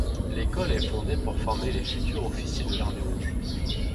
L'école est fondée pour former les futurs officiers de l'Armée rouge.